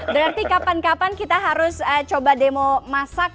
berarti kapan kapan kita harus coba demo masak